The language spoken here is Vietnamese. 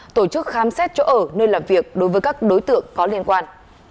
tổ chức khám xét chỗ ở nơi làm việc đối với các đối tượng có liên quan